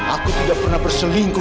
aku tidak pernah berselingkuh